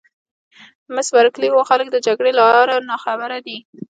مس بارکلي: هو خلک د جګړې له آره ناخبره دي.